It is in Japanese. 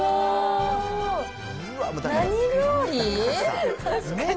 何料理？